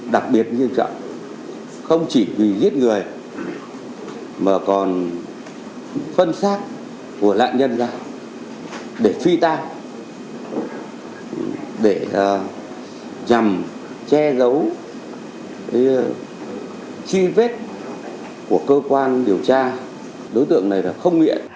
đặc biệt không chỉ vì giết người mà còn phân xác của nạn nhân ra để phi tan để nhằm che giấu chi vết của cơ quan điều tra đối tượng này là không nghĩa